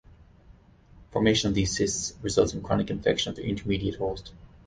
Formation of these cysts results in chronic infection of the intermediate host.